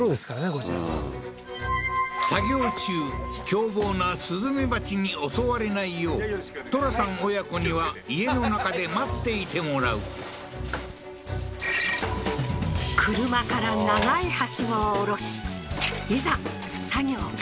こちらは作業中凶暴なスズメバチに襲われないようトラさん親子には家の中で待っていてもらう車から長いハシゴを下ろしいざ